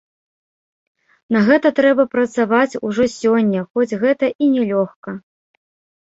На гэта трэба працаваць ужо сёння, хоць гэта і не лёгка.